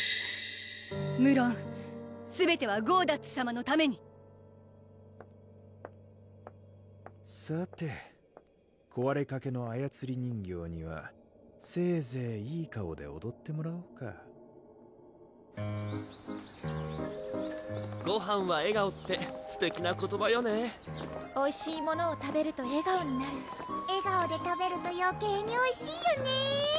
無論すべてはゴーダッツさまのためにさてこわれかけのあやつり人形にはせいぜいいい顔でおどってもらおうか「ごはんは笑顔」ってすてきな言葉よねおいしいものを食べると笑顔になる笑顔で食べるとよけいにおいしいよね